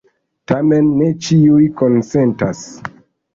Tamen ne ĉiuj konsentas.